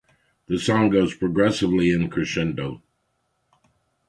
The song goes progressively in crescendo.